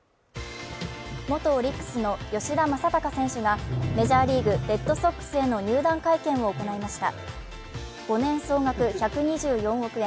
元オリックスの吉田正尚選手がメジャーリーグレッドソックスへの入団会見を行いました５年総額１２４億円